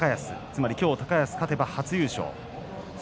つまり今日、高安勝てば初優勝。